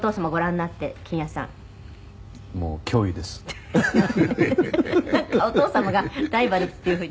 「なんかお父様がライバルっていう風に」